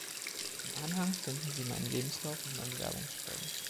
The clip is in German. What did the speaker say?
Im Anhang finden Sie meinen Lebenslauf und mein Bewerbungsschreiben.